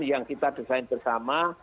yang kita desain bersama